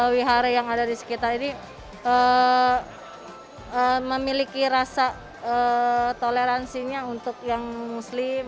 wihara yang ada di sekitar ini memiliki rasa toleransinya untuk yang muslim